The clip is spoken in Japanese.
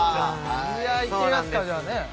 いってみますかじゃあね